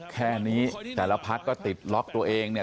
แค่นี้แต่ละพักก็ติดล็อกตัวเองเนี่ย